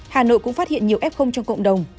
hà nội cũng phát hiện nhiều f trong cộng đồng